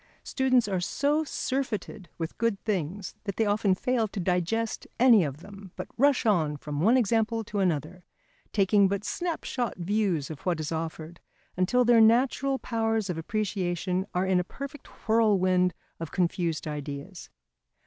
Students are so surfeited with good things that they often fail to digest any of them; but rush on from one example to another, taking but snapshot views of what is offered, until their natural powers of appreciation are in a perfect whirlwind of confused ideas.